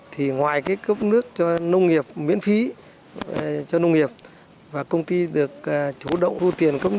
thì ngoài cấp nước cho nông nghiệp miễn phí cho nông nghiệp và công ty được chủ động thu tiền